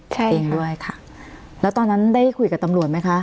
ใช่จริงด้วยค่ะแล้วตอนนั้นได้คุยกับตำรวจไหมคะ